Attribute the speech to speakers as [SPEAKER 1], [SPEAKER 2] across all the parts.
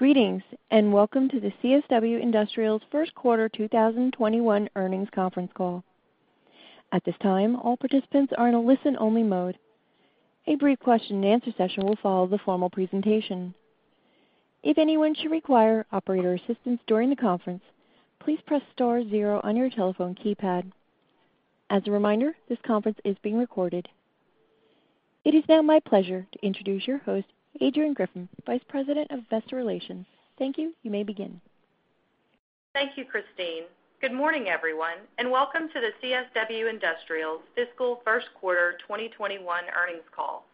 [SPEAKER 1] Greetings, welcome to the CSW Industrials' first quarter 2021 earnings conference call. At this time, all participants are in a listen-only mode. A brief question and answer session will follow the formal presentation. If anyone should require operator assistance during the conference, please press star zero on your telephone keypad. As a reminder, this conference is being recorded. It is now my pleasure to introduce your host, Adrianne Griffin, Vice President of Investor Relations. Thank you. You may begin.
[SPEAKER 2] Thank you, Christine. Good morning, everyone, and welcome to the CSW Industrials' Fiscal First Quarter 2021 earnings call.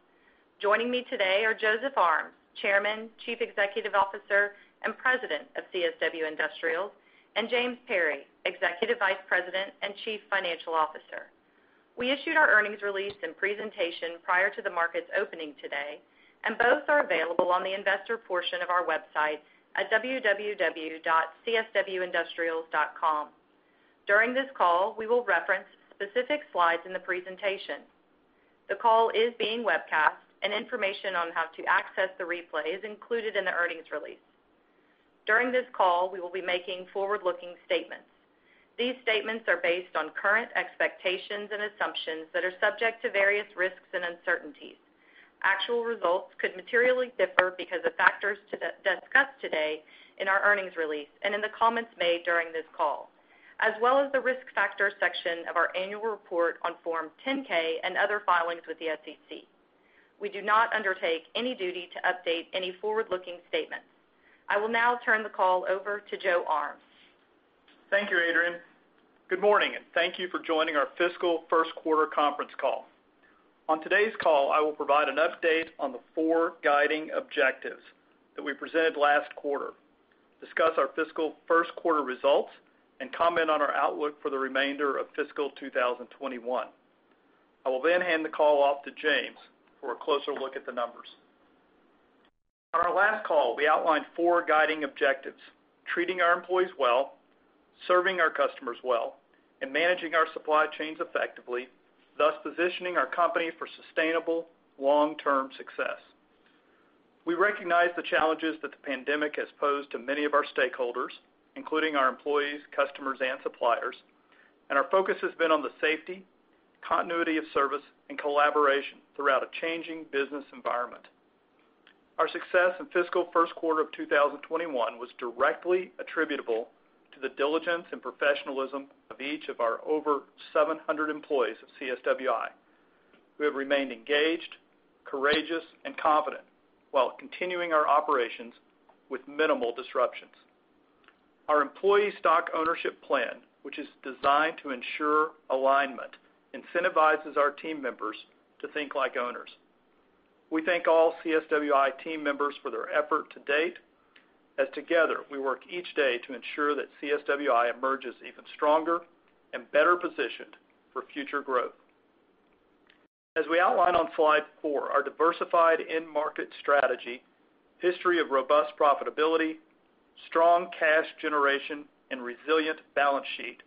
[SPEAKER 2] Joining me today are Joseph Armes, Chairman, Chief Executive Officer, and President of CSW Industrials, and James Perry, Executive Vice President and Chief Financial Officer. We issued our earnings release and presentation prior to the market's opening today. Both are available on the investor portion of our website at www.cswindustrials.com. During this call, we will reference specific slides in the presentation. The call is being webcast. Information on how to access the replay is included in the earnings release. During this call, we will be making forward-looking statements. These statements are based on current expectations and assumptions that are subject to various risks and uncertainties. Actual results could materially differ because of factors discussed today in our earnings release and in the comments made during this call, as well as the Risk Factors section of our annual report on Form 10-K and other filings with the SEC. We do not undertake any duty to update any forward-looking statements. I will now turn the call over to Joe Armes.
[SPEAKER 3] Thank you, Adrianne. Good morning. Thank you for joining our fiscal first quarter conference call. On today's call, I will provide an update on the four guiding objectives that we presented last quarter, discuss our fiscal first quarter results, and comment on our outlook for the remainder of fiscal 2021. I will hand the call off to James for a closer look at the numbers. On our last call, we outlined four guiding objectives: treating our employees well, serving our customers well, and managing our supply chains effectively, thus positioning our company for sustainable long-term success. We recognize the challenges that the pandemic has posed to many of our stakeholders, including our employees, customers, and suppliers. Our focus has been on the safety, continuity of service, and collaboration throughout a changing business environment. Our success in fiscal first quarter of 2021 was directly attributable to the diligence and professionalism of each of our over 700 employees of CSWI, who have remained engaged, courageous, and confident while continuing our operations with minimal disruptions. Our employee stock ownership plan, which is designed to ensure alignment, incentivizes our team members to think like owners. We thank all CSWI team members for their effort to date, as together, we work each day to ensure that CSWI emerges even stronger and better positioned for future growth. As we outline on slide four, our diversified end market strategy, history of robust profitability, strong cash generation, and resilient balance sheet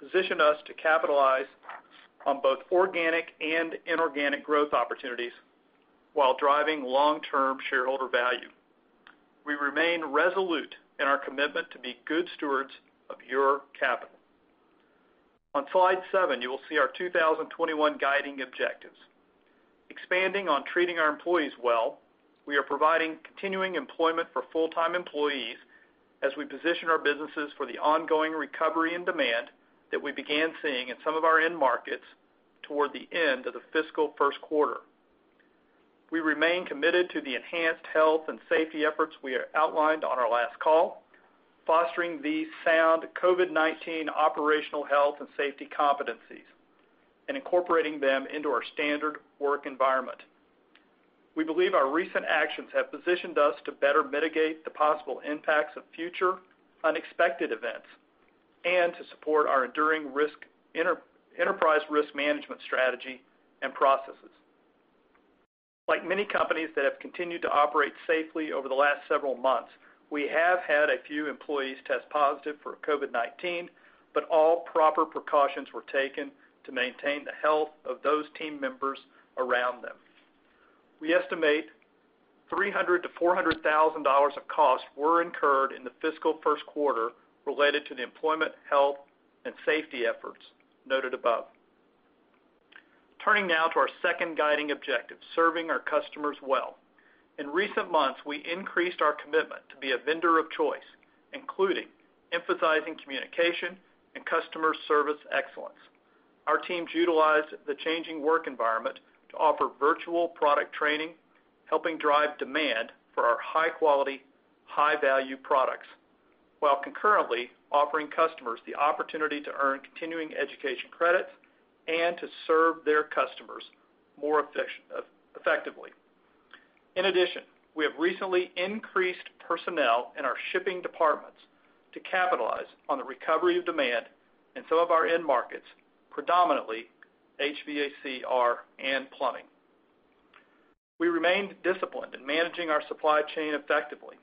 [SPEAKER 3] position us to capitalize on both organic and inorganic growth opportunities while driving long-term shareholder value. We remain resolute in our commitment to be good stewards of your capital. On slide seven, you will see our 2021 guiding objectives. Expanding on treating our employees well, we are providing continuing employment for full-time employees as we position our businesses for the ongoing recovery and demand that we began seeing in some of our end markets toward the end of the fiscal first quarter. We remain committed to the enhanced health and safety efforts we outlined on our last call, fostering these sound COVID-19 operational health and safety competencies and incorporating them into our standard work environment. We believe our recent actions have positioned us to better mitigate the possible impacts of future unexpected events and to support our enduring enterprise risk management strategy and processes. Like many companies that have continued to operate safely over the last several months, we have had a few employees test positive for COVID-19, but all proper precautions were taken to maintain the health of those team members around them. We estimate $300,000 to $400,000 of costs were incurred in the fiscal first quarter related to the employment, health, and safety efforts noted above. Turning now to our second guiding objective, serving our customers well. In recent months, we increased our commitment to be a vendor of choice, including emphasizing communication and customer service excellence. Our teams utilized the changing work environment to offer virtual product training, helping drive demand for our high-quality, high-value products, while concurrently offering customers the opportunity to earn continuing education credits and to serve their customers more effectively. In addition, we have recently increased personnel in our shipping departments to capitalize on the recovery of demand in some of our end markets, predominantly HVACR and plumbing. We remained disciplined in managing our supply chain effectively,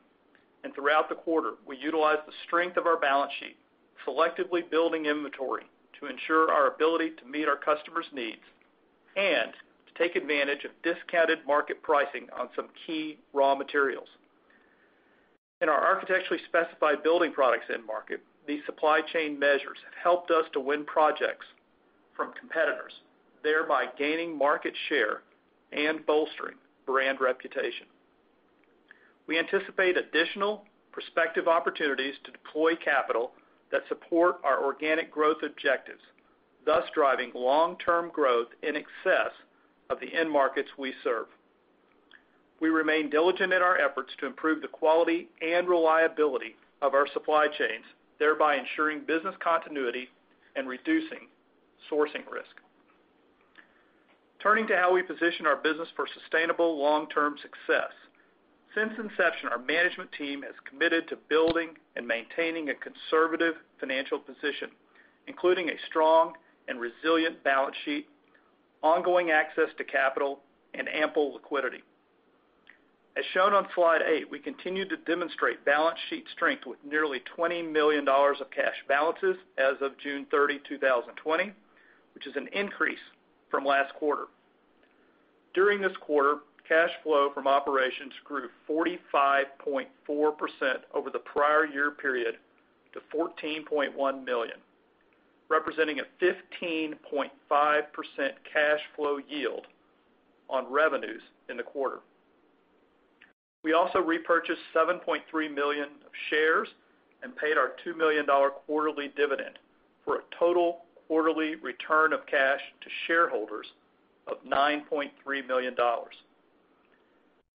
[SPEAKER 3] and throughout the quarter, we utilized the strength of our balance sheet, selectively building inventory to ensure our ability to meet our customers' needs. To take advantage of discounted market pricing on some key raw materials. In our architecturally specified building products end market, these supply chain measures have helped us to win projects from competitors, thereby gaining market share and bolstering brand reputation. We anticipate additional prospective opportunities to deploy capital that support our organic growth objectives, thus driving long-term growth in excess of the end markets we serve. We remain diligent in our efforts to improve the quality and reliability of our supply chains, thereby ensuring business continuity and reducing sourcing risk. Turning to how we position our business for sustainable long-term success. Since inception, our management team has committed to building and maintaining a conservative financial position, including a strong and resilient balance sheet, ongoing access to capital, and ample liquidity. As shown on slide eight, we continue to demonstrate balance sheet strength with nearly $20 million of cash balances as of June 30, 2020, which is an increase from last quarter. During this quarter, cash flow from operations grew 45.4% over the prior year period to $14.1 million, representing a 15.5% cash flow yield on revenues in the quarter. We also repurchased $7.3 million of shares and paid our $2 million quarterly dividend for a total quarterly return of cash to shareholders of $9.3 million.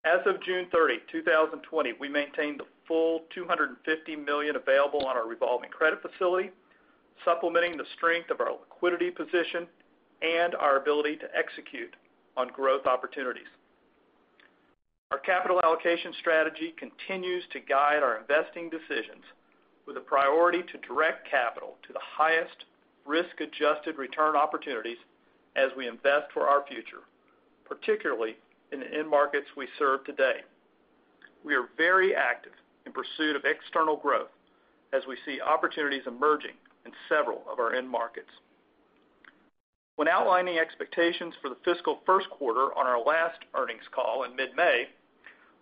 [SPEAKER 3] As of June 30, 2020, we maintained the full $250 million available on our revolving credit facility, supplementing the strength of our liquidity position and our ability to execute on growth opportunities. Our capital allocation strategy continues to guide our investing decisions with a priority to direct capital to the highest risk-adjusted return opportunities as we invest for our future, particularly in the end markets we serve today. We are very active in pursuit of external growth as we see opportunities emerging in several of our end markets. When outlining expectations for the fiscal first quarter on our last earnings call in mid-May,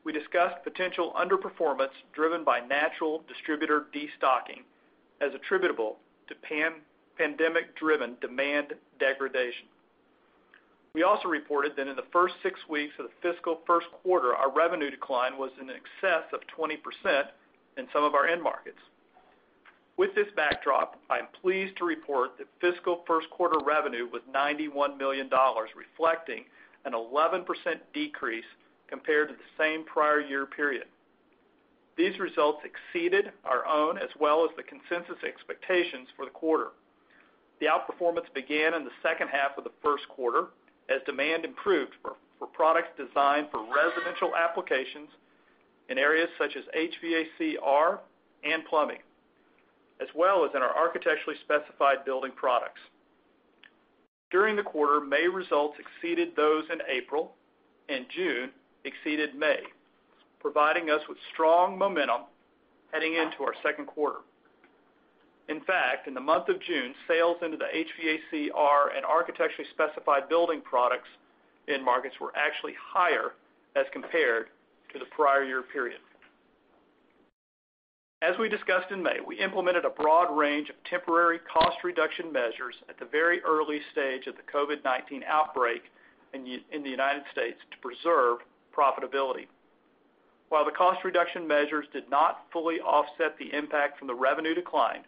[SPEAKER 3] we discussed potential underperformance driven by natural distributor destocking as attributable to pandemic-driven demand degradation. We also reported that in the first six weeks of the fiscal first quarter, our revenue decline was in excess of 20% in some of our end markets. With this backdrop, I am pleased to report that fiscal first quarter revenue was $91 million, reflecting an 11% decrease compared to the same prior year period. These results exceeded our own as well as the consensus expectations for the quarter. The outperformance began in the second half of the first quarter as demand improved for products designed for residential applications in areas such as HVACR and plumbing, as well as in our architecturally specified building products. During the quarter, May results exceeded those in April, and June exceeded May, providing us with strong momentum heading into our second quarter. In fact, in the month of June, sales into the HVACR and architecturally specified building products in markets were actually higher as compared to the prior year period. As we discussed in May, we implemented a broad range of temporary cost reduction measures at the very early stage of the COVID-19 outbreak in the U.S. to preserve profitability. While the cost reduction measures did not fully offset the impact from the revenue decline,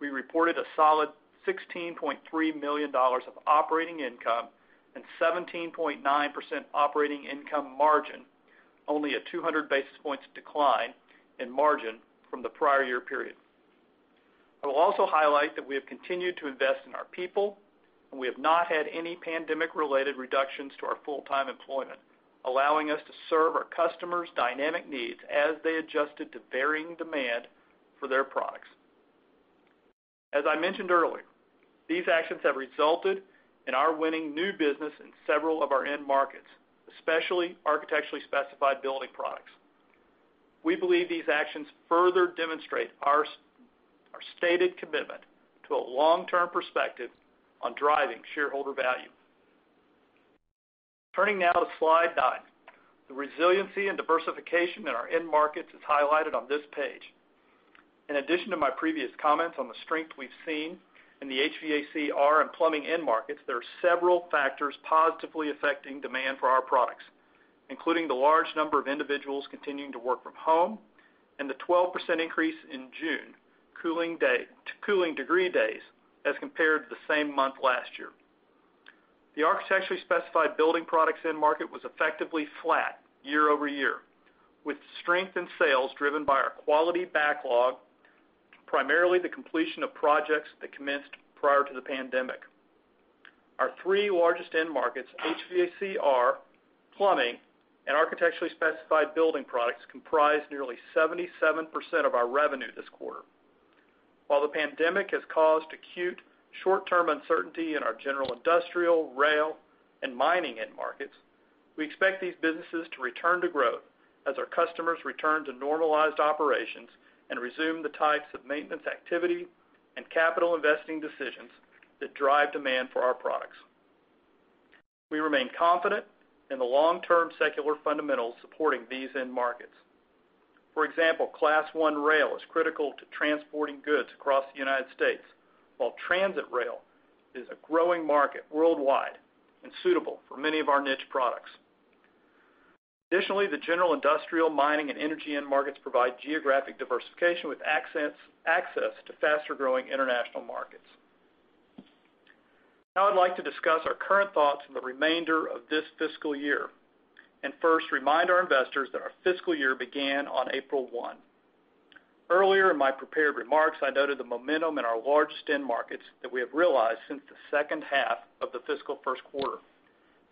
[SPEAKER 3] we reported a solid $16.3 million of operating income and 17.9% operating income margin, only a 200 basis points decline in margin from the prior year period. I will also highlight that we have continued to invest in our people, and we have not had any pandemic-related reductions to our full-time employment, allowing us to serve our customers' dynamic needs as they adjusted to varying demand for their products. As I mentioned earlier, these actions have resulted in our winning new business in several of our end markets, especially architecturally specified building products. We believe these actions further demonstrate our stated commitment to a long-term perspective on driving shareholder value. Turning now to slide nine. The resiliency and diversification in our end markets is highlighted on this page. In addition to my previous comments on the strength we've seen in the HVACR and plumbing end markets, there are several factors positively affecting demand for our products, including the large number of individuals continuing to work from home and the 12% increase in June to cooling degree days as compared to the same month last year. The architecturally specified building products end market was effectively flat year-over-year, with strength in sales driven by our quality backlog, primarily the completion of projects that commenced prior to the pandemic. Our three largest end markets, HVACR, plumbing, and architecturally specified building products, comprised nearly 77% of our revenue this quarter. While the pandemic has caused acute short-term uncertainty in our general industrial, rail, and mining end markets, we expect these businesses to return to growth as our customers return to normalized operations and resume the types of maintenance activity and capital investing decisions that drive demand for our products. We remain confident in the long-term secular fundamentals supporting these end markets. For example, Class I rail is critical to transporting goods across the United States, while transit rail is a growing market worldwide and suitable for many of our niche products. Additionally, the general industrial, mining, and energy end markets provide geographic diversification with access to faster-growing international markets. Now I'd like to discuss our current thoughts on the remainder of this fiscal year, and first remind our investors that our fiscal year began on April one. Earlier in my prepared remarks, I noted the momentum in our largest end markets that we have realized since the second half of the fiscal first quarter.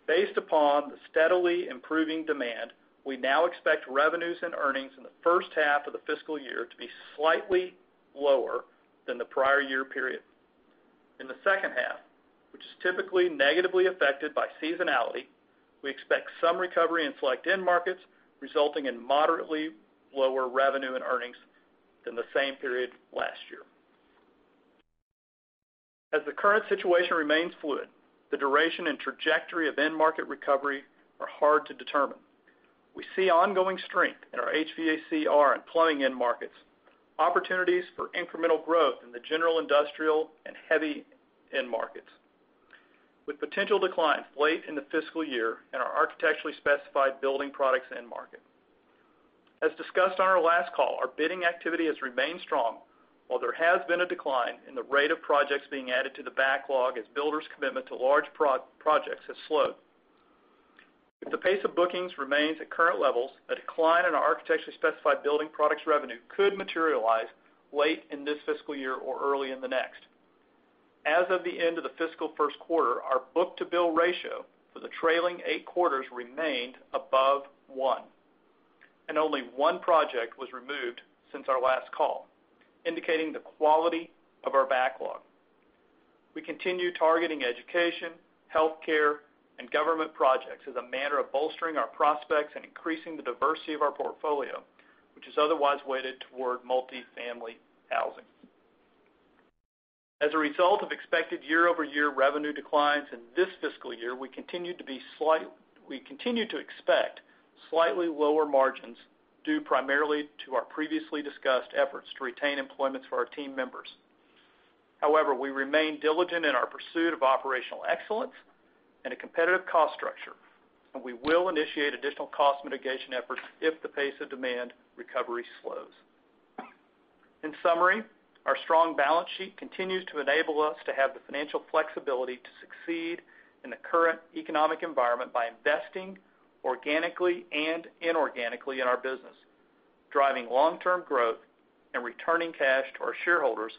[SPEAKER 3] Based upon the steadily improving demand, we now expect revenues and earnings in the first half of the fiscal year to be slightly lower than the prior year period. In the second half, which is typically negatively affected by seasonality, we expect some recovery in select end markets, resulting in moderately lower revenue and earnings than the same period last year. As the current situation remains fluid, the duration and trajectory of end market recovery are hard to determine. We see ongoing strength in our HVACR and plumbing end markets, opportunities for incremental growth in the general industrial and heavy end markets, with potential declines late in the fiscal year in our architecturally specified building products end market. As discussed on our last call, our bidding activity has remained strong while there has been a decline in the rate of projects being added to the backlog as builders' commitment to large projects has slowed. If the pace of bookings remains at current levels, a decline in our architecturally specified building products revenue could materialize late in this fiscal year or early in the next. As of the end of the fiscal first quarter, our book-to-bill ratio for the trailing eight quarters remained above one, and only one project was removed since our last call, indicating the quality of our backlog. We continue targeting education, healthcare, and government projects as a manner of bolstering our prospects and increasing the diversity of our portfolio, which is otherwise weighted toward multifamily housing. As a result of expected year-over-year revenue declines in this fiscal year, we continue to expect slightly lower margins, due primarily to our previously discussed efforts to retain employment for our team members. However, we remain diligent in our pursuit of operational excellence and a competitive cost structure, and we will initiate additional cost mitigation efforts if the pace of demand recovery slows. In summary, our strong balance sheet continues to enable us to have the financial flexibility to succeed in the current economic environment by investing organically and inorganically in our business, driving long-term growth and returning cash to our shareholders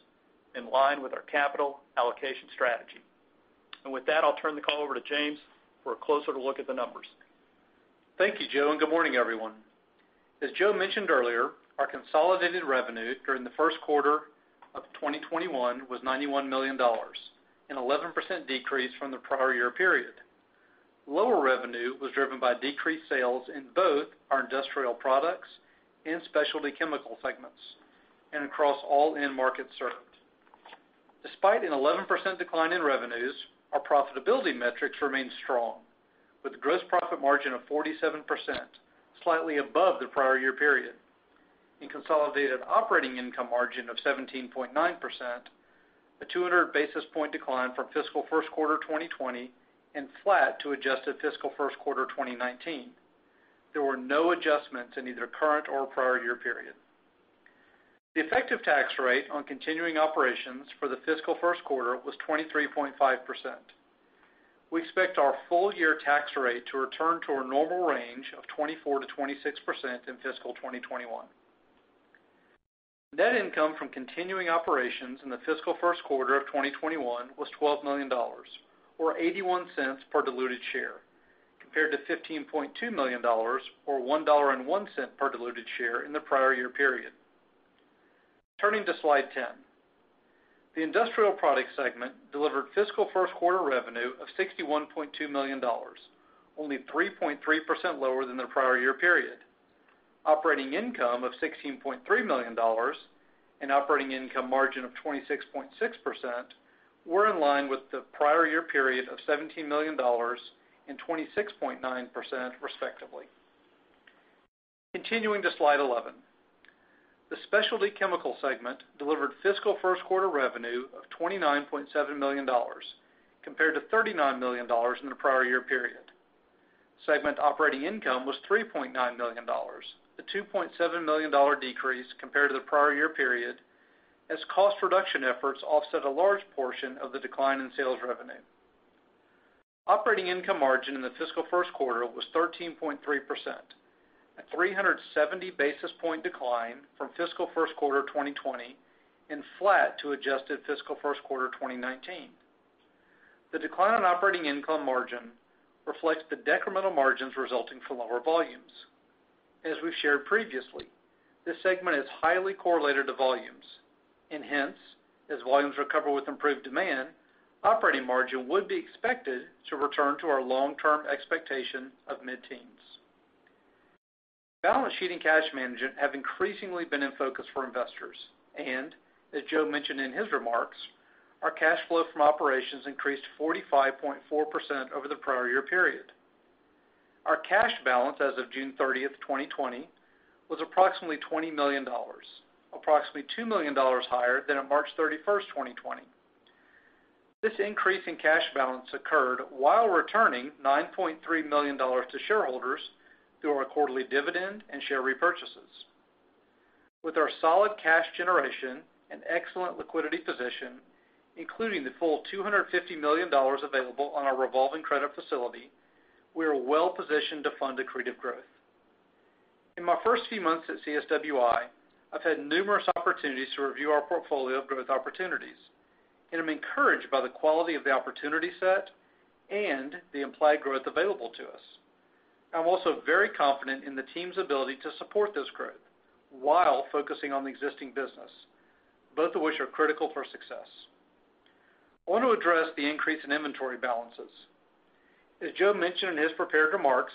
[SPEAKER 3] in line with our capital allocation strategy. With that, I'll turn the call over to James for a closer look at the numbers.
[SPEAKER 4] Thank you, Joe, and good morning, everyone. As Joe mentioned earlier, our consolidated revenue during the first quarter of 2021 was $91 million, an 11% decrease from the prior year period. Lower revenue was driven by decreased sales in both our industrial products and specialty chemical segments and across all end markets served. Despite an 11% decline in revenues, our profitability metrics remained strong, with a gross profit margin of 47%, slightly above the prior year period, and consolidated operating income margin of 17.9%, a 200-basis-point decline from fiscal first quarter 2020 and flat to adjusted fiscal first quarter 2019. There were no adjustments in either current or prior year period. The effective tax rate on continuing operations for the fiscal first quarter was 23.5%. We expect our full-year tax rate to return to our normal range of 24%-26% in fiscal 2021. Net income from continuing operations in the fiscal first quarter of 2021 was $12 million, or $0.81 per diluted share, compared to $15.2 million, or $1.01 per diluted share in the prior year period. Turning to slide 10. The industrial products segment delivered fiscal first quarter revenue of $61.2 million, only 3.3% lower than the prior year period. Operating income of $16.3 million and operating income margin of 26.6% were in line with the prior year period of $17 million and 26.9%, respectively. Continuing to slide 11. The specialty chemical segment delivered fiscal first quarter revenue of $29.7 million compared to $39 million in the prior year period. Segment operating income was $3.9 million, a $2.7 million decrease compared to the prior year period, as cost reduction efforts offset a large portion of the decline in sales revenue. Operating income margin in the fiscal first quarter was 13.3%, a 370-basis-point decline from fiscal first quarter 2020 and flat to adjusted fiscal first quarter 2019. The decline in operating income margin reflects the decremental margins resulting from lower volumes. Hence, as volumes recover with improved demand, operating margin would be expected to return to our long-term expectation of mid-teens. Balance sheet and cash management have increasingly been in focus for investors. As Joe mentioned in his remarks, our cash flow from operations increased 45.4% over the prior year period. Our cash balance as of June 30th, 2020 was approximately $20 million, approximately $2 million higher than on March 31st, 2020. This increase in cash balance occurred while returning $9.3 million to shareholders through our quarterly dividend and share repurchases. With our solid cash generation and excellent liquidity position, including the full $250 million available on our revolving credit facility, we are well-positioned to fund accretive growth. In my first few months at CSWI, I've had numerous opportunities to review our portfolio of growth opportunities, and I'm encouraged by the quality of the opportunity set and the implied growth available to us. I'm also very confident in the team's ability to support this growth while focusing on the existing business, both of which are critical for success. I want to address the increase in inventory balances. As Joe mentioned in his prepared remarks,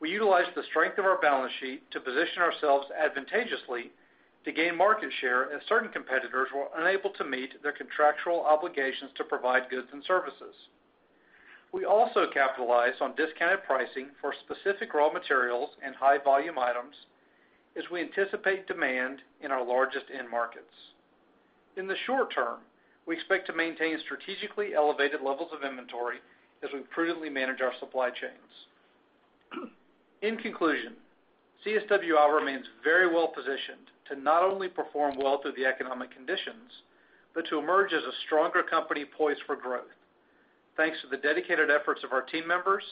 [SPEAKER 4] we utilized the strength of our balance sheet to position ourselves advantageously to gain market share as certain competitors were unable to meet their contractual obligations to provide goods and services. We also capitalized on discounted pricing for specific raw materials and high-volume items as we anticipate demand in our largest end markets. In the short term, we expect to maintain strategically elevated levels of inventory as we prudently manage our supply chains. In conclusion, CSWI remains very well positioned to not only perform well through the economic conditions, but to emerge as a stronger company poised for growth, thanks to the dedicated efforts of our team members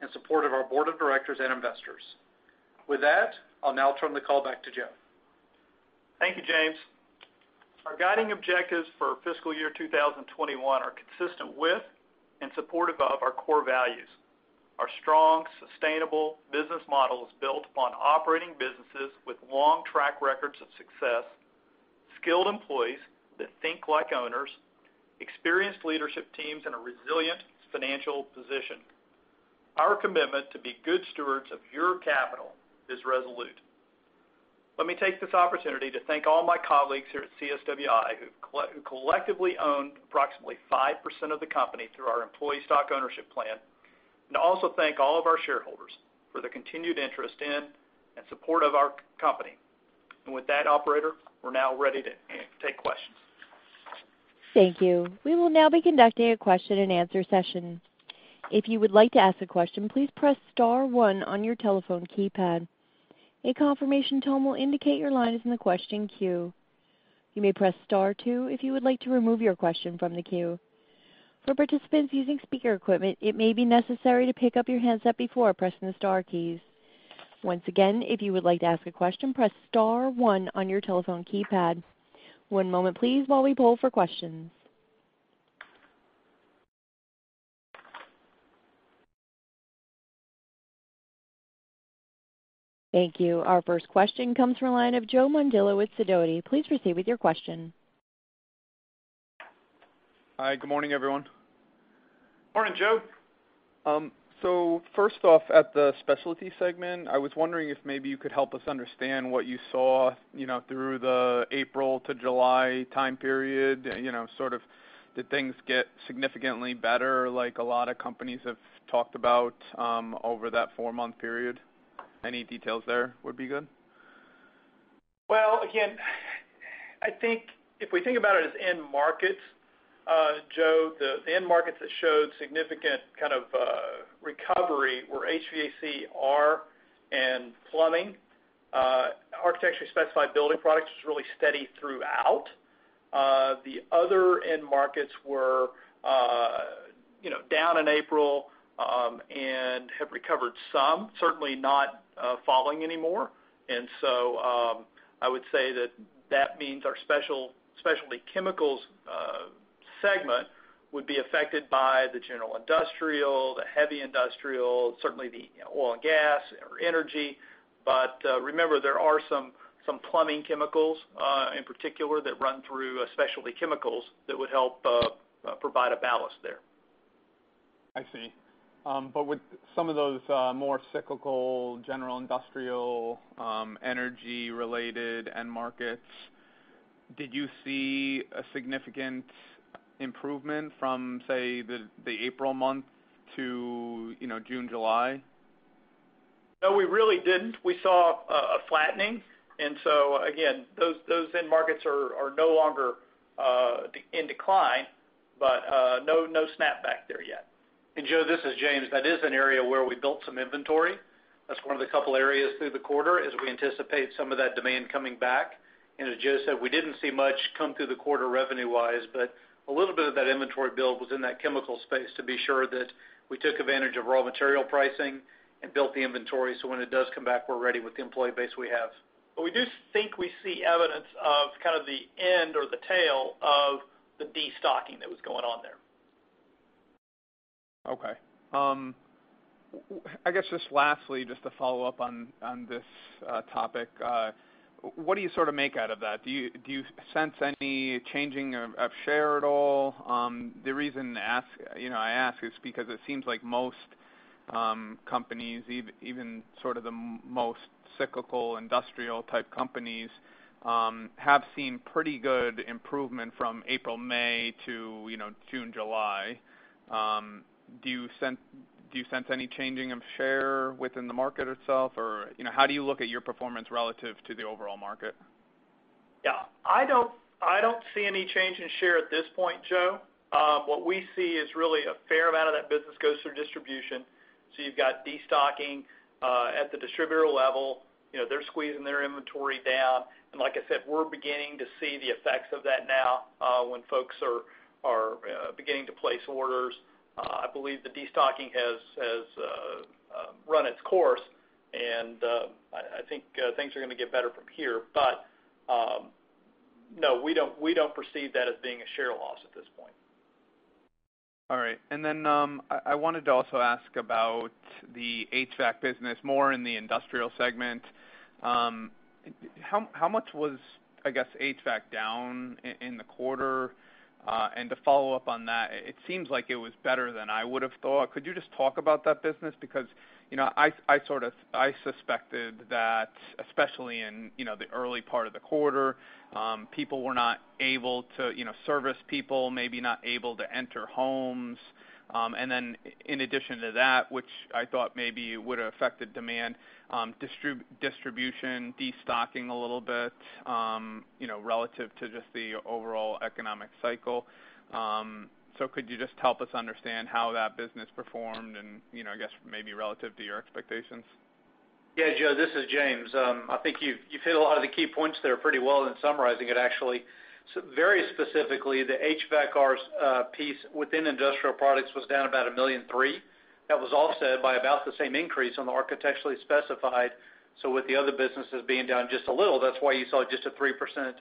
[SPEAKER 4] and support of our board of directors and investors. With that, I'll now turn the call back to Joe.
[SPEAKER 3] Thank you, James. Our guiding objectives for fiscal year 2021 are consistent with and supportive of our core values. Our strong, sustainable business model is built upon operating businesses with long track records of success, skilled employees that think like owners, experienced leadership teams, and a resilient financial position. Our commitment to be good stewards of your capital is resolute. Let me take this opportunity to thank all my colleagues here at CSWI who collectively own approximately 5% of the company through our employee stock ownership plan, also thank all of our shareholders for their continued interest in and support of our company. With that operator, we're now ready to take questions.
[SPEAKER 1] Thank you. We will now be conducting a question and answer session. If you would like to ask a question, please press star one on your telephone keypad. A confirmation tone will indicate your line is in the question queue. You may press star two if you would like to remove your question from the queue. For participants using speaker equipment, it may be necessary to pick up your handset before pressing the star keys. Once again, if you would like to ask a question, press star one on your telephone keypad. One moment please, while we poll for questions. Thank you. Our first question comes from the line of Joe Mondillo with Sidoti. Please proceed with your question.
[SPEAKER 5] Hi. Good morning, everyone.
[SPEAKER 3] Morning, Joe.
[SPEAKER 5] First off, at the specialty segment, I was wondering if maybe you could help us understand what you saw through the April to July time period. Did things get significantly better like a lot of companies have talked about over that four-month period? Any details there would be good.
[SPEAKER 3] Well, again, I think if we think about it as end markets, Joe, the end markets that showed significant kind of recovery were HVACR and plumbing. Architecturally specified building products was really steady throughout. The other end markets were down in April, and have recovered some, certainly not falling anymore. I would say that that means our specialty chemicals segment would be affected by the general industrial, the heavy industrial, certainly the oil and gas or energy. Remember, there are some plumbing chemicals, in particular, that run through specialty chemicals that would help provide a ballast there.
[SPEAKER 5] I see. With some of those more cyclical general industrial, energy-related end markets, did you see a significant improvement from, say, the April month to June, July?
[SPEAKER 3] No, we really didn't. We saw a flattening, and so again, those end markets are no longer in decline, but no snap back there yet.
[SPEAKER 4] Joseph, this is James. That is an area where we built some inventory. That's one of the couple areas through the quarter as we anticipate some of that demand coming back. As Joseph said, we didn't see much come through the quarter revenue-wise, but a little bit of that inventory build was in that chemical space to be sure that we took advantage of raw material pricing and built the inventory, so when it does come back, we're ready with the employee base we have.
[SPEAKER 3] We do think we see evidence of kind of the end or the tail of the de-stocking that was going on there.
[SPEAKER 5] Okay. I guess just lastly, just to follow up on this topic, what do you make out of that? Do you sense any changing of share at all? The reason I ask is because it seems like most companies, even the most cyclical industrial type companies, have seen pretty good improvement from April, May to June, July. Do you sense any changing of share within the market itself? How do you look at your performance relative to the overall market?
[SPEAKER 3] I don't see any change in share at this point, Joe. What we see is really a fair amount of that business goes through distribution. You've got de-stocking, at the distributor level. They're squeezing their inventory down, and like I said, we're beginning to see the effects of that now, when folks are beginning to place orders. I believe the de-stocking has run its course, and I think things are going to get better from here. No, we don't perceive that as being a share loss at this point.
[SPEAKER 5] All right. Then, I wanted to also ask about the HVAC business more in the industrial segment. How much was, I guess, HVAC down in the quarter? To follow up on that, it seems like it was better than I would've thought. Could you just talk about that business? I suspected that, especially in the early part of the quarter, people were not able to service people, maybe not able to enter homes. Then in addition to that, which I thought maybe would've affected demand, distribution, de-stocking a little bit, relative to just the overall economic cycle. Could you just help us understand how that business performed and, I guess, maybe relative to your expectations?
[SPEAKER 4] Joseph, this is James. I think you've hit a lot of the key points there pretty well in summarizing it, actually. Very specifically, the HVAC piece within industrial products was down about $1.3 million. That was offset by about the same increase on the architecturally specified. With the other businesses being down just a little, that's why you saw just a 3%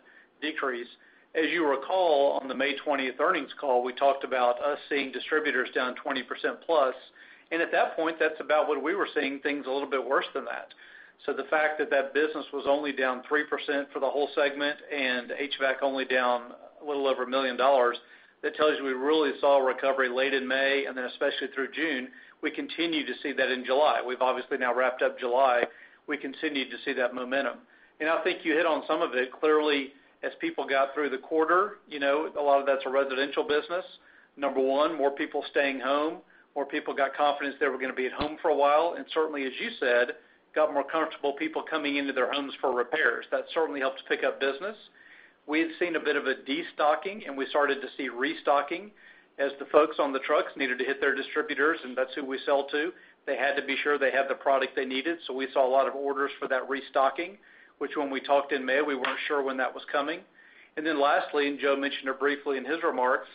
[SPEAKER 4] decrease. As you recall, on the May 20th earnings call, we talked about us seeing distributors down 20%+, and at that point, that's about when we were seeing things a little bit worse than that. The fact that that business was only down 3% for the whole segment, and HVAC only down a little over $1 million, that tells you we really saw a recovery late in May, and then especially through June. We continue to see that in July. We've obviously now wrapped up July. We continued to see that momentum. I think you hit on some of it. Clearly, as people got through the quarter, a lot of that's a residential business. Number one, more people staying home, more people got confidence they were going to be at home for a while, and certainly, as you said, got more comfortable people coming into their homes for repairs. That certainly helped to pick up business. We had seen a bit of a de-stocking, we started to see restocking as the folks on the trucks needed to hit their distributors, and that's who we sell to. They had to be sure they had the product they needed, so we saw a lot of orders for that restocking, which when we talked in May, we weren't sure when that was coming. Lastly, Joe mentioned it briefly in his remarks,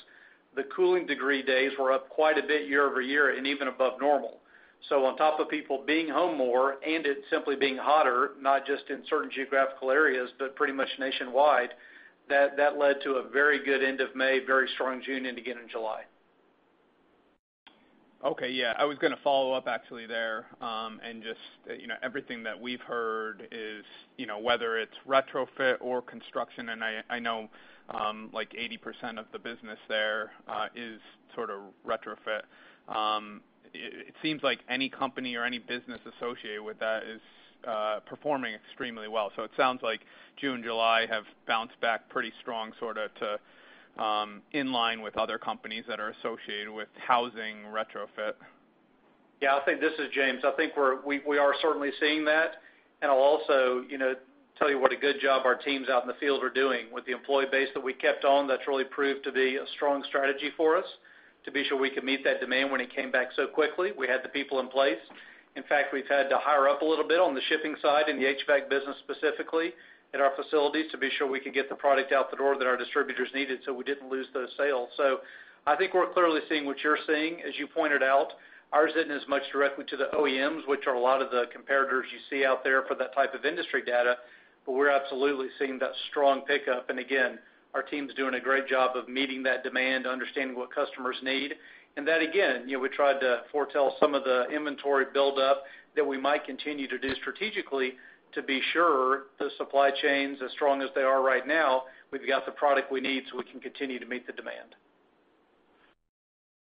[SPEAKER 4] the cooling degree days were up quite a bit year-over-year and even above normal. On top of people being home more and it simply being hotter, not just in certain geographical areas, but pretty much nationwide, that led to a very good end of May, very strong June, and again in July.
[SPEAKER 5] Okay. Yeah. I was going to follow up actually there, just everything that we've heard is, whether it's retrofit or construction, and I know, 80% of the business there, is sort of retrofit. It seems like any company or any business associated with that is performing extremely well. It sounds like June, July have bounced back pretty strong sort of to in line with other companies that are associated with housing retrofit.
[SPEAKER 4] Yeah, this is James. I think we are certainly seeing that. I'll also tell you what a good job our teams out in the field are doing with the employee base that we kept on. That's really proved to be a strong strategy for us to be sure we could meet that demand when it came back so quickly. We had the people in place. In fact, we've had to hire up a little bit on the shipping side in the HVAC business, specifically at our facilities, to be sure we could get the product out the door that our distributors needed, so we didn't lose those sales. I think we're clearly seeing what you're seeing, as you pointed out.
[SPEAKER 3] Ours isn't as much directly to the OEMs, which are a lot of the comparators you see out there for that type of industry data, but we're absolutely seeing that strong pickup, and again, our team's doing a great job of meeting that demand, understanding what customers need, and that, again, we tried to foretell some of the inventory buildup that we might continue to do strategically to be sure the supply chains, as strong as they are right now, we've got the product we need so we can continue to meet the demand.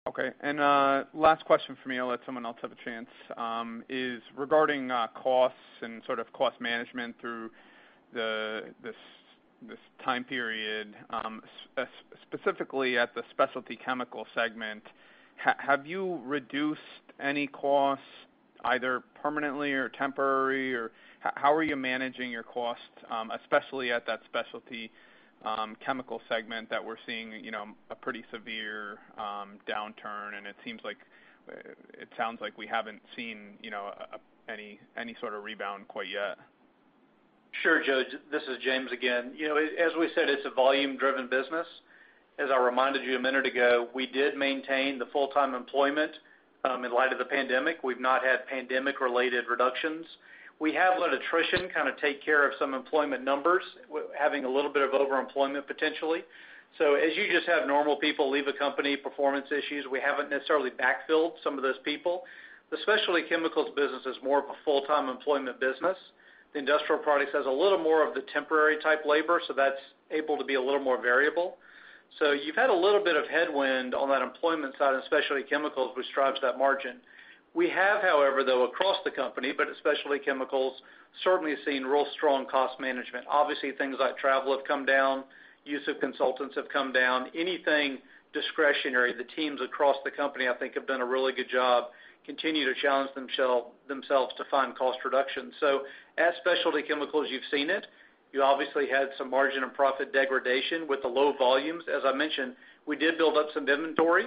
[SPEAKER 5] Okay. Last question from me, I'll let someone else have a chance, is regarding costs and sort of cost management through this time period, specifically at the Specialty Chemical segment. Have you reduced any costs, either permanently or temporary, or how are you managing your costs? Especially at that Specialty Chemical segment that we're seeing a pretty severe downturn, it sounds like we haven't seen any sort of rebound quite yet.
[SPEAKER 4] Sure, Joe. This is James again. As we said, it's a volume-driven business. As I reminded you a minute ago, we did maintain the full-time employment in light of the pandemic. We've not had pandemic-related reductions. We have let attrition kind of take care of some employment numbers, having a little bit of over-employment, potentially. As you just have normal people leave the company, performance issues, we haven't necessarily backfilled some of those people. The Specialty Chemicals business is more of a full-time employment business. The Industrial Products has a little more of the temporary type labor, that's able to be a little more variable. You've had a little bit of headwind on that employment side in Specialty Chemicals, which drives that margin. We have, however, though, across the company, but especially Chemicals, certainly seen real strong cost management. Obviously, things like travel have come down, use of consultants have come down, anything discretionary. The teams across the company, I think, have done a really good job, continue to challenge themselves to find cost reductions. At specialty chemicals, you've seen it. You obviously had some margin and profit degradation with the low volumes. As I mentioned, we did build up some inventory.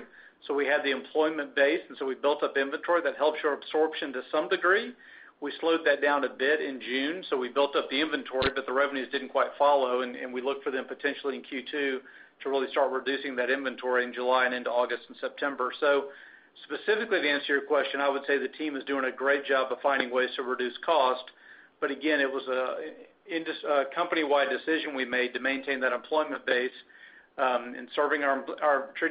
[SPEAKER 4] We had the employment base, and so we built up inventory. That helps your absorption to some degree. We slowed that down a bit in June, so we built up the inventory, but the revenues didn't quite follow, and we look for them potentially in Q2 to really start reducing that inventory in July and into August and September. Specifically to answer your question, I would say the team is doing a great job of finding ways to reduce cost. Again, it was a company-wide decision we made to maintain that employment base. In treating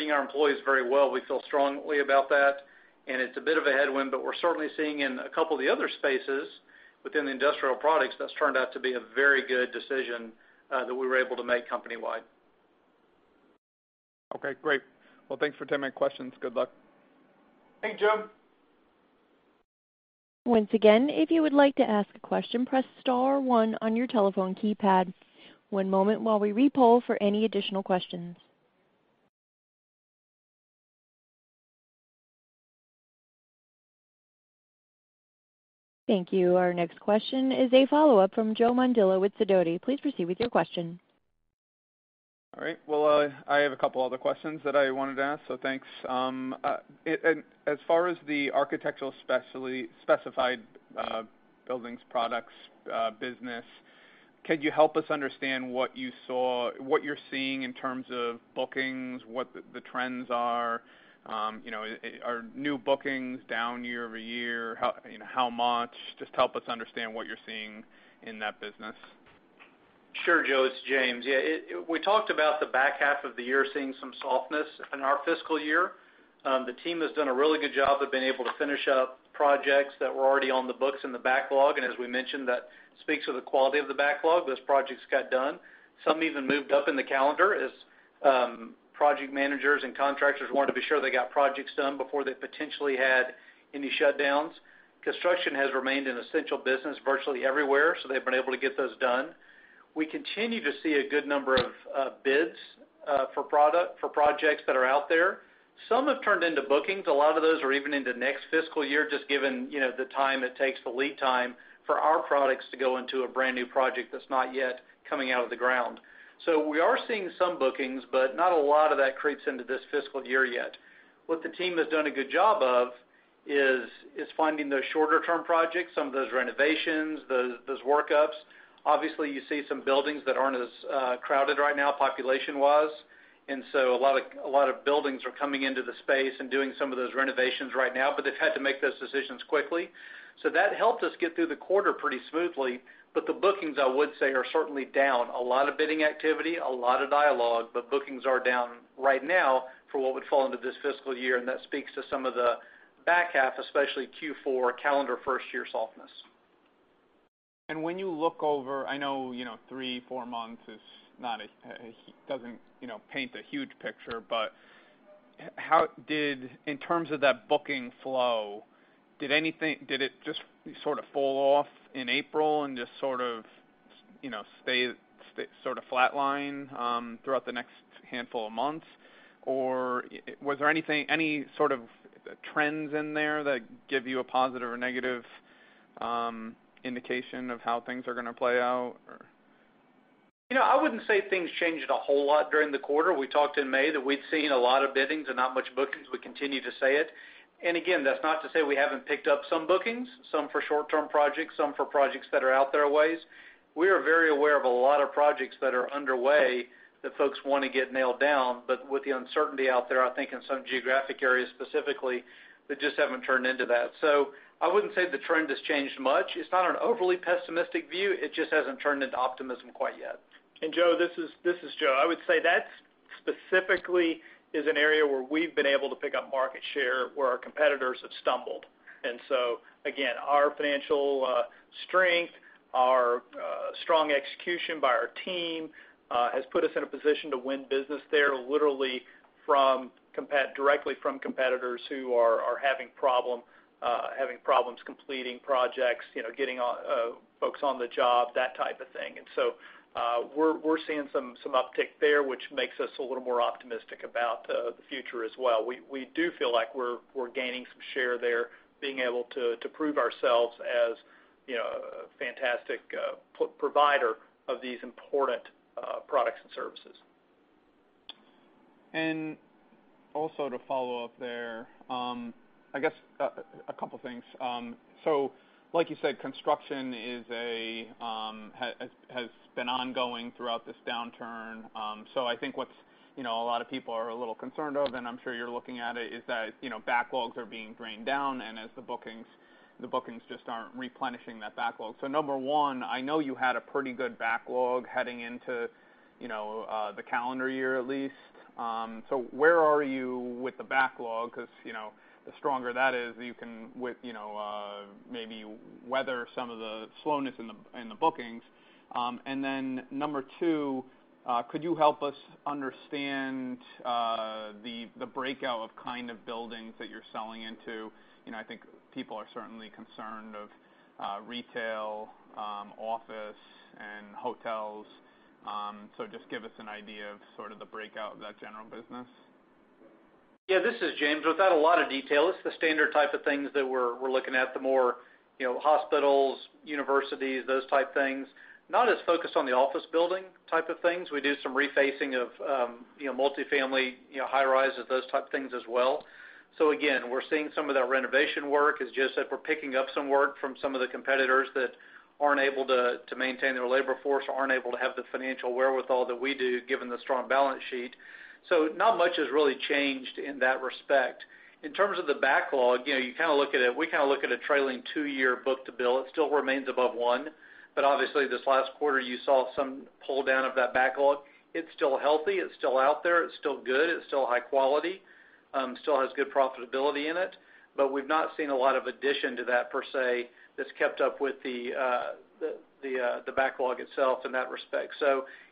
[SPEAKER 4] our employees very well, we feel strongly about that, and it's a bit of a headwind, but we're certainly seeing in a couple of the other spaces within the industrial products, that's turned out to be a very good decision that we were able to make company-wide.
[SPEAKER 5] Okay, great. Well, thanks for taking my questions. Good luck.
[SPEAKER 4] Thank you, Joe.
[SPEAKER 1] Once again, if you would like to ask a question, press star one on your telephone keypad. One moment while we re-poll for any additional questions. Thank you. Our next question is a follow-up from Joe Mondillo with Sidoti. Please proceed with your question.
[SPEAKER 5] All right. Well, I have a couple other questions that I wanted to ask, so thanks. As far as the architectural specified buildings products business, could you help us understand what you're seeing in terms of bookings, what the trends are? Are new bookings down year-over-year? How much? Just help us understand what you're seeing in that business.
[SPEAKER 4] Sure, Joe. It's James. Yeah. We talked about the back half of the year seeing some softness in our fiscal year. The team has done a really good job. They've been able to finish up projects that were already on the books in the backlog. As we mentioned, that speaks to the quality of the backlog. Those projects got done. Some even moved up in the calendar as project managers and contractors wanted to be sure they got projects done before they potentially had any shutdowns. Construction has remained an essential business virtually everywhere. They've been able to get those done. We continue to see a good number of bids for projects that are out there. Some have turned into bookings. A lot of those are even into next fiscal year, just given the time it takes, the lead time, for our products to go into a brand-new project that's not yet coming out of the ground. We are seeing some bookings, but not a lot of that creeps into this fiscal year yet. What the team has done a good job of is finding those shorter-term projects, some of those renovations, those workups. Obviously, you see some buildings that aren't as crowded right now population-wise. A lot of buildings are coming into the space and doing some of those renovations right now, but they've had to make those decisions quickly. That helped us get through the quarter pretty smoothly. The bookings, I would say, are certainly down. A lot of bidding activity, a lot of dialogue, but bookings are down right now for what would fall into this fiscal year, and that speaks to some of the back half, especially Q4 calendar first-year softness.
[SPEAKER 5] When you look over, I know three, four months doesn't paint the huge picture, but in terms of that booking flow, did it just sort of fall off in April and just sort of flatline throughout the next handful of months? Was there any sort of trends in there that give you a positive or negative indication of how things are going to play out?
[SPEAKER 4] I wouldn't say things changed a whole lot during the quarter. We talked in May that we'd seen a lot of biddings and not much bookings. We continue to say it. Again, that's not to say we haven't picked up some bookings, some for short-term projects, some for projects that are out there a ways. We are very aware of a lot of projects that are underway that folks want to get nailed down. With the uncertainty out there, I think in some geographic areas specifically, they just haven't turned into that. I wouldn't say the trend has changed much. It's not an overly pessimistic view. It just hasn't turned into optimism quite yet.
[SPEAKER 3] Joe, this is Joe. I would say that specifically is an area where we've been able to pick up market share where our competitors have stumbled. Again, our financial strength, our strong execution by our team has put us in a position to win business there literally directly from competitors who are having problems completing projects, getting folks on the job, that type of thing. We're seeing some uptick there, which makes us a little more optimistic about the future as well. We do feel like we're gaining some share there, being able to prove ourselves as a fantastic provider of these important
[SPEAKER 5] Also to follow up there, I guess a couple of things. Like you said, construction has been ongoing throughout this downturn. I think what a lot of people are a little concerned of, and I'm sure you're looking at it, is that backlogs are being drained down and as the bookings just aren't replenishing that backlog. Number one, I know you had a pretty good backlog heading into the calendar year, at least. Where are you with the backlog? Because the stronger that is, you can maybe weather some of the slowness in the bookings. Then number two, could you help us understand the breakout of kind of buildings that you're selling into? I think people are certainly concerned of retail, office, and hotels. Just give us an idea of sort of the breakout of that general business.
[SPEAKER 4] This is James. Without a lot of detail, it's the standard type of things that we're looking at, the more hospitals, universities, those type things. Not as focused on the office building type of things. We do some refacing of multi-family high-rises, those type things as well. Again, we're seeing some of that renovation work. It's just that we're picking up some work from some of the competitors that aren't able to maintain their labor force or aren't able to have the financial wherewithal that we do, given the strong balance sheet. Not much has really changed in that respect. In terms of the backlog, we kind of look at a trailing two-year book-to-bill. It still remains above one. Obviously, this last quarter, you saw some pull down of that backlog. It's still healthy, it's still out there, it's still good, it's still high quality, still has good profitability in it. We've not seen a lot of addition to that, per se, that's kept up with the backlog itself in that respect.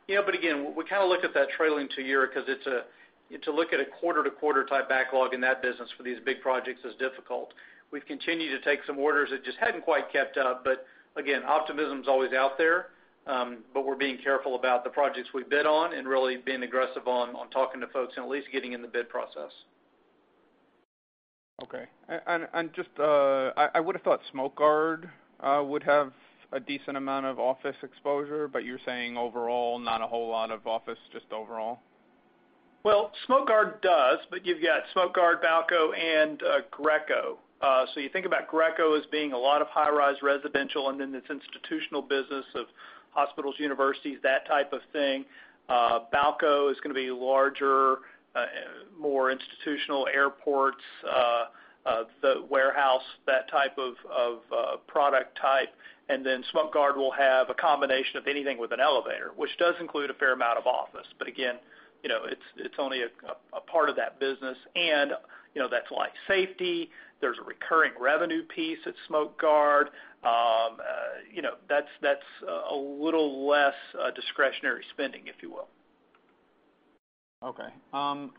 [SPEAKER 4] Again, we kind of look at that trailing two year because to look at a quarter-to-quarter type backlog in that business for these big projects is difficult. We've continued to take some orders that just hadn't quite kept up. Again, optimism is always out there. We're being careful about the projects we bid on and really being aggressive on talking to folks and at least getting in the bid process.
[SPEAKER 5] Okay. I would've thought Smoke Guard would have a decent amount of office exposure, but you're saying overall, not a whole lot of office, just overall?
[SPEAKER 3] Smoke Guard does, but you've got Smoke Guard, Balco, and Greco. You think about Greco as being a lot of high-rise residential, and then it's institutional business of hospitals, universities, that type of thing. Balco is going to be larger, more institutional airports, the warehouse, that type of product type. Smoke Guard will have a combination of anything with an elevator, which does include a fair amount of office. Again, it's only a part of that business, and that's life safety. There's a recurring revenue piece at Smoke Guard. That's a little less discretionary spending, if you will.
[SPEAKER 5] Okay.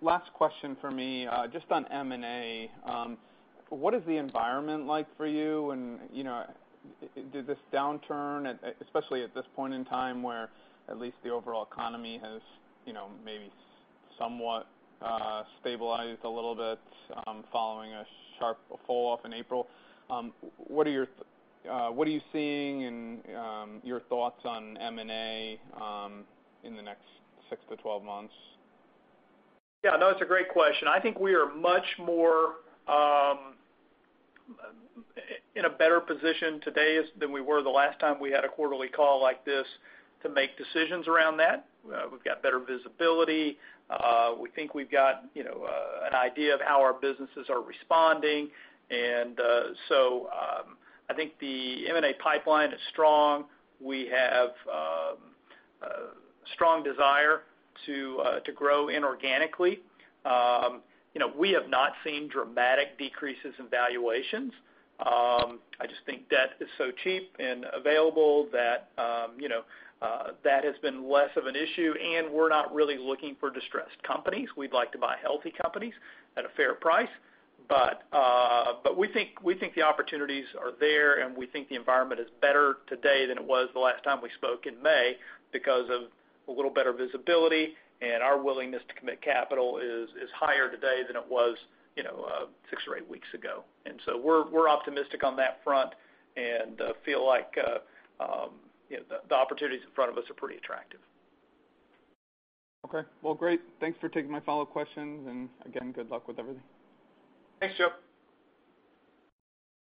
[SPEAKER 5] Last question from me, just on M&A. What is the environment like for you? Did this downturn, especially at this point in time where at least the overall economy has maybe somewhat stabilized a little bit following a sharp fall off in April, what are you seeing and your thoughts on M&A in the next six-12 months?
[SPEAKER 3] Yeah, no, it's a great question. I think we are much more in a better position today than we were the last time we had a quarterly call like this to make decisions around that. We've got better visibility. We think we've got an idea of how our businesses are responding. I think the M&A pipeline is strong. We have a strong desire to grow inorganically. We have not seen dramatic decreases in valuations. I just think debt is so cheap and available that has been less of an issue, and we're not really looking for distressed companies. We'd like to buy healthy companies at a fair price. We think the opportunities are there, and we think the environment is better today than it was the last time we spoke in May because of a little better visibility, and our willingness to commit capital is higher today than it was six or eight weeks ago. We're optimistic on that front and feel like the opportunities in front of us are pretty attractive.
[SPEAKER 5] Okay. Well, great. Thanks for taking my follow-up questions, and again, good luck with everything.
[SPEAKER 3] Thanks, Joe.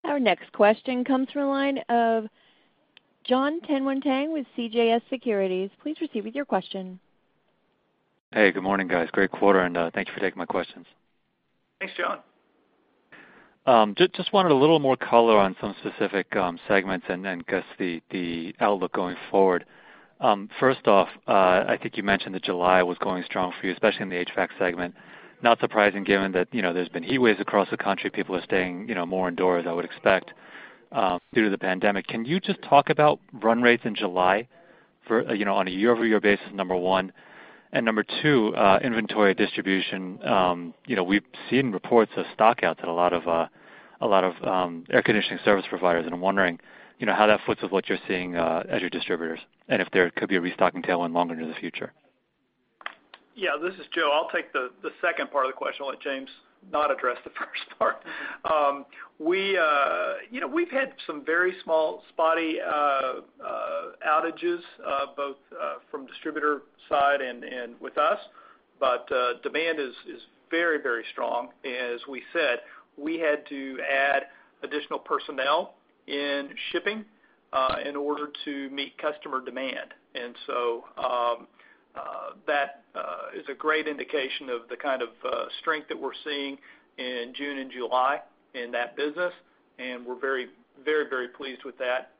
[SPEAKER 1] Our next question comes from the line of Jon Tanwanteng with CJS Securities. Please proceed with your question.
[SPEAKER 6] Hey, good morning, guys. Great quarter, and thanks for taking my questions.
[SPEAKER 3] Thanks, Jon.
[SPEAKER 6] Just wanted a little more color on some specific segments and then guess the outlook going forward. First off, I think you mentioned that July was going strong for you, especially in the HVAC segment. Not surprising given that there's been heat waves across the country. People are staying more indoors, I would expect, due to the pandemic. Can you just talk about run rates in July on a year-over-year basis, number one? Number two, inventory distribution. We've seen reports of stockouts at a lot of air conditioning service providers, and I'm wondering how that foots with what you're seeing as your distributors and if there could be a restocking tailwind longer into the future.
[SPEAKER 3] Yeah. This is Joe. I'll take the second part of the question. I'll let James not address the first part. We've had some very small spotty outages, both from distributor side and with us. Demand is very, very strong. As we said, we had to add additional personnel in shipping in order to meet customer demand. That is a great indication of the kind of strength that we're seeing in June and July in that business, and we're very, very pleased with that.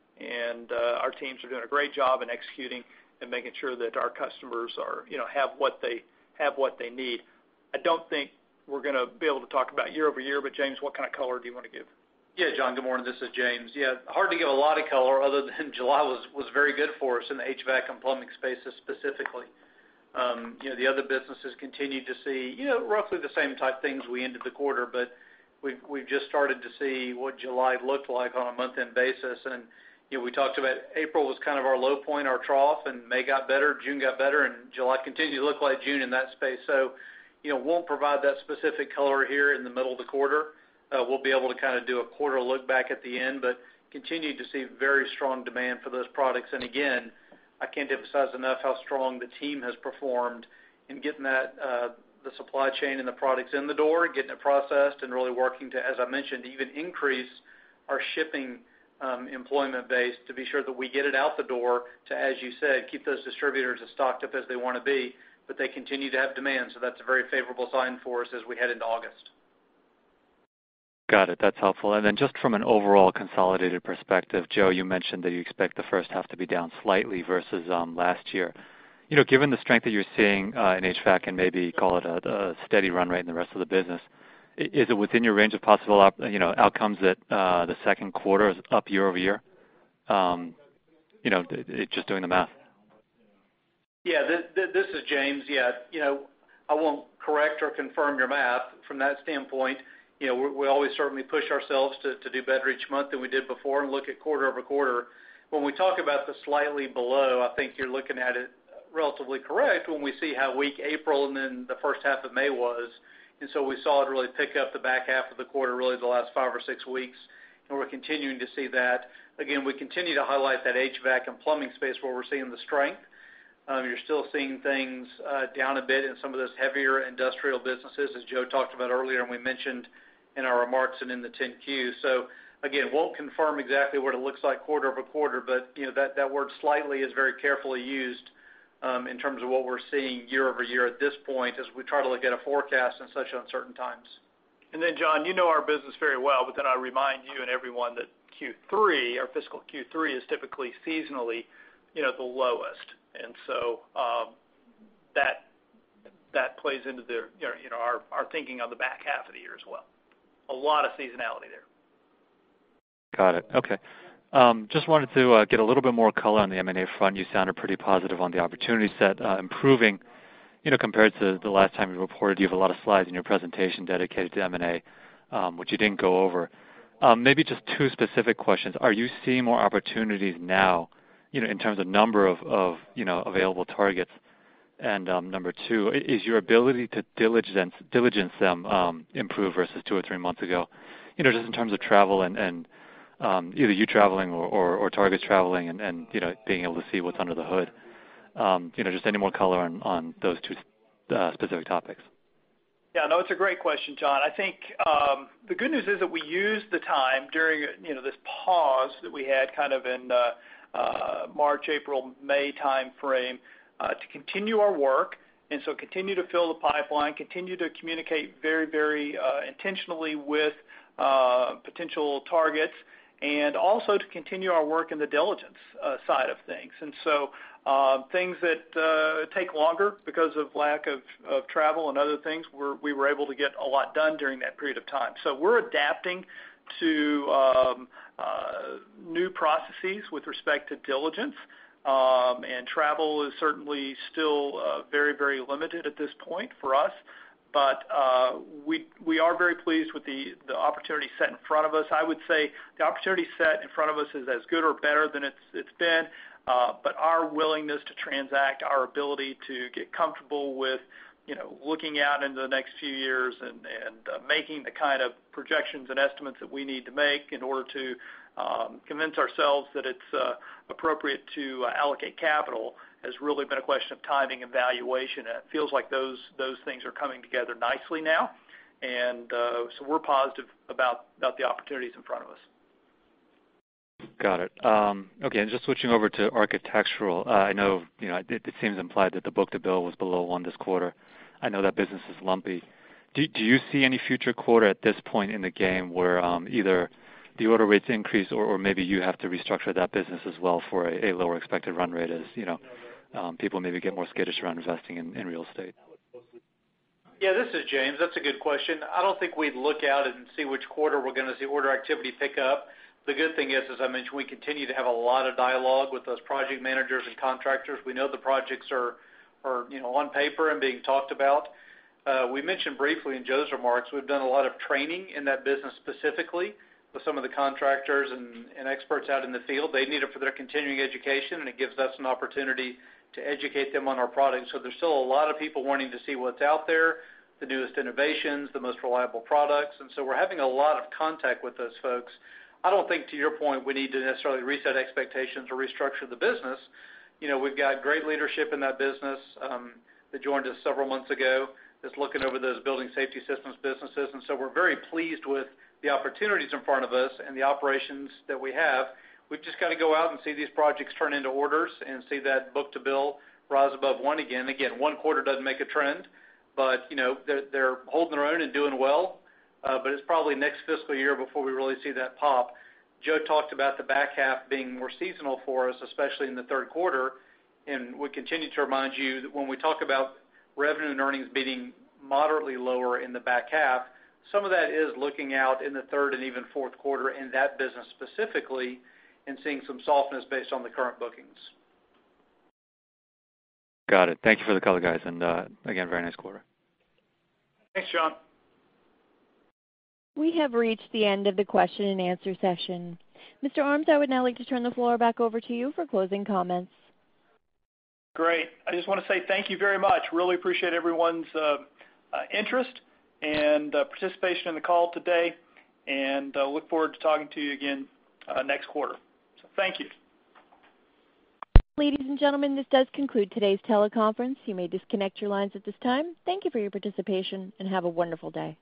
[SPEAKER 3] Our teams are doing a great job in executing and making sure that our customers have what they need. I don't think we're going to be able to talk about year-over-year, but James, what kind of color do you want to give?
[SPEAKER 4] Jon, good morning. This is James. Hard to give a lot of color other than July was very good for us in the HVAC and plumbing spaces specifically. The other businesses continue to see roughly the same type things we ended the quarter, but we've just started to see what July looked like on a month-end basis. We talked about April was kind of our low point, our trough, and May got better, June got better, and July continued to look like June in that space. Won't provide that specific color here in the middle of the quarter. We'll be able to kind of do a quarter look back at the end, but continue to see very strong demand for those products. Again, I can't emphasize enough how strong the team has performed in getting the supply chain and the products in the door, getting it processed, and really working to, as I mentioned, even increase our shipping employment base to be sure that we get it out the door to, as you said, keep those distributors as stocked up as they want to be. They continue to have demand, so that's a very favorable sign for us as we head into August.
[SPEAKER 6] Got it. That's helpful. Just from an overall consolidated perspective, Joe, you mentioned that you expect the first half to be down slightly versus last year. Given the strength that you're seeing in HVAC and maybe call it a steady run right in the rest of the business, is it within your range of possible outcomes that the second quarter is up year-over-year? Just doing the math.
[SPEAKER 4] Yeah. This is James. Yeah. I won't correct or confirm your math from that standpoint. We always certainly push ourselves to do better each month than we did before and look at quarter-over-quarter. When we talk about the slightly below, I think you're looking at it relatively correct when we see how weak April and then the first half of May was. We saw it really pick up the back half of the quarter, really the last five or six weeks, and we're continuing to see that. Again, we continue to highlight that HVAC and plumbing space where we're seeing the strength. You're still seeing things down a bit in some of those heavier industrial businesses, as Joe talked about earlier and we mentioned in our remarks and in the 10-Q. Again, won't confirm exactly what it looks like quarter-over-quarter, but that word slightly is very carefully used in terms of what we're seeing year-over-year at this point as we try to look at a forecast in such uncertain times.
[SPEAKER 3] Jon, you know our business very well, but then I remind you and everyone that Q3, our fiscal Q3, is typically seasonally the lowest. That plays into our thinking on the back half of the year as well. A lot of seasonality there.
[SPEAKER 6] Got it. Okay. Just wanted to get a little bit more color on the M&A front. You sounded pretty positive on the opportunity set improving compared to the last time you reported. You have a lot of slides in your presentation dedicated to M&A, which you didn't go over. Maybe just two specific questions. Are you seeing more opportunities now in terms of number of available targets? Number two, is your ability to diligence them improved versus two or three months ago? Just in terms of travel and either you traveling or targets traveling and being able to see what's under the hood. Just any more color on those two specific topics.
[SPEAKER 3] Yeah, no, it's a great question, Jon. I think the good news is that we used the time during this pause that we had kind of in March, April, May timeframe to continue our work. Continue to fill the pipeline, continue to communicate very, very intentionally with potential targets and also to continue our work in the diligence side of things. Things that take longer because of lack of travel and other things, we were able to get a lot done during that period of time. We're adapting to new processes with respect to diligence. Travel is certainly still very, very limited at this point for us. We are very pleased with the opportunity set in front of us. I would say the opportunity set in front of us is as good or better than it's been. Our willingness to transact, our ability to get comfortable with looking out into the next few years and making the kind of projections and estimates that we need to make in order to convince ourselves that it's appropriate to allocate capital has really been a question of timing and valuation. It feels like those things are coming together nicely now. We're positive about the opportunities in front of us.
[SPEAKER 6] Got it. Okay, just switching over to architectural. I know it seems implied that the book-to-bill was below one this quarter. I know that business is lumpy. Do you see any future quarter at this point in the game where either the order rates increase or maybe you have to restructure that business as well for a lower expected run rate as people maybe get more skittish around investing in real estate?
[SPEAKER 4] Yeah, this is James. That's a good question. I don't think we'd look out and see which quarter we're going to see order activity pick up. The good thing is, as I mentioned, we continue to have a lot of dialogue with those project managers and contractors. We know the projects are on paper and being talked about. We mentioned briefly in Joe's remarks, we've done a lot of training in that business specifically with some of the contractors and experts out in the field. They need it for their continuing education, and it gives us an opportunity to educate them on our products. There's still a lot of people wanting to see what's out there, the newest innovations, the most reliable products, and so we're having a lot of contact with those folks. I don't think, to your point, we need to necessarily reset expectations or restructure the business. We've got great leadership in that business that joined us several months ago, that's looking over those building safety systems businesses. We're very pleased with the opportunities in front of us and the operations that we have. We've just got to go out and see these projects turn into orders and see that book-to-bill rise above one again. Again, one quarter doesn't make a trend, but they're holding their own and doing well. It's probably next fiscal year before we really see that pop. Joe talked about the back half being more seasonal for us, especially in the third quarter. We continue to remind you that when we talk about revenue and earnings being moderately lower in the back half, some of that is looking out in the third and even fourth quarter in that business specifically and seeing some softness based on the current bookings.
[SPEAKER 6] Got it. Thank you for the color, guys, and again, very nice quarter.
[SPEAKER 3] Thanks, Jon.
[SPEAKER 1] We have reached the end of the question and answer session. Mr. Armes, I would now like to turn the floor back over to you for closing comments.
[SPEAKER 3] Great. I just want to say thank you very much. Really appreciate everyone's interest and participation in the call today, and look forward to talking to you again next quarter. Thank you.
[SPEAKER 1] Ladies and gentlemen, this does conclude today's teleconference. You may disconnect your lines at this time. Thank you for your participation, and have a wonderful day.